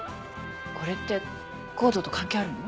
これってＣＯＤＥと関係あるの？